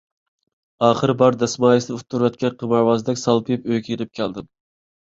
ئاخىرى بار دەسمايىسىنى ئۇتتۇرۇۋەتكەن قىمارۋازدەك سالپىيىپ ئۆيگە يېنىپ كەلدىم.